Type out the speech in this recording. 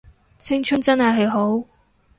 青春真係好